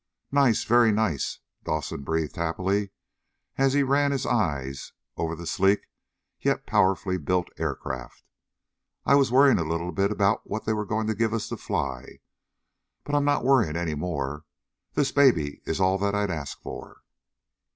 "Nice, very nice!" Dawson breathed happily, as he ran his eyes over the sleek, yet powerfully built aircraft. "I was worrying a little about what they were going to give us to fly. But I'm not worrying any more. This baby is all that I'd ask for."